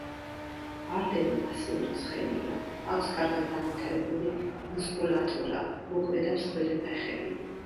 არდენი მასიური ცხენია, აქვს კარგად განვითარებული მუსკულატურა, მოკლე და მსხვილი ფეხები.